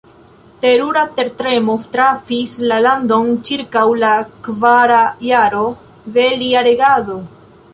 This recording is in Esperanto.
Terura tertremo trafis la landon ĉirkaŭ la kvara jaro de lia regado.